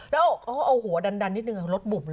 แล้วเขาเอาหัวดันนิดนึงรถบุบเลย